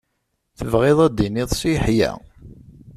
Tebɣiḍ a d-tiniḍ Si Yeḥya?